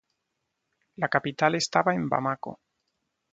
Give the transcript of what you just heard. La capital estaba en Bamako.